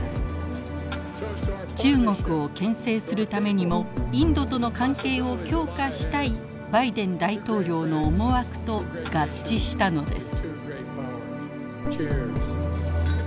中国をけん制するためにもインドとの関係を強化したいバイデン大統領の思惑と合致したのです。